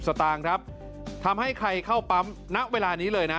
สตาห์ครับทำให้ใครเข้าป๊ำน้ำเวลานี้เลยนะ